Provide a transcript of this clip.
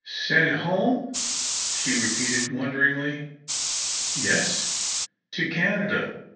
"Sent home?" she repeated wonderingly. "Yes to Canada.